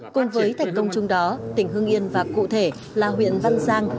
cùng với thành công chung đó tỉnh hương yên và cụ thể là huyện văn giang